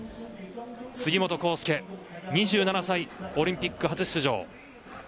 杉本幸祐、２７歳オリンピック初出場。